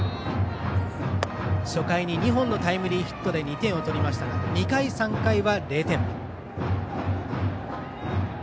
初回に２本のタイムリーヒットで２点を取りましたが２回、３回は０点。